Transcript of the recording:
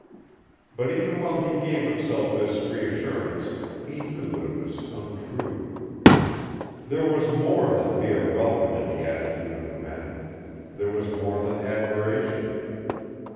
But even while he gave himself this reassurance, he knew that it was untrue. There was more than mere welcome in the attitude of the men; there was more than admiration.